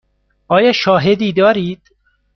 آیا شاهدی دارید؟